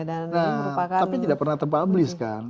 nah tapi tidak pernah terpublis kan